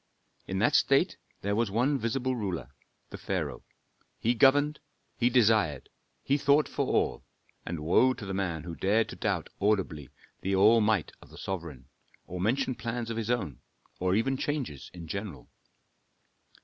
In that state there was one visible ruler, the pharaoh. He governed, he desired, he thought for all, and woe to the man who dared to doubt audibly the all might of the sovereign, or mention plans of his own, or even changes in general.